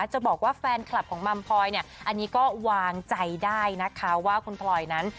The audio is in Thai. จะบอกว่าแฟนคลับของมัมพลอยเนี่ยอันนี้ก็วางใจได้นะคะว่าคุณพลอยนั้น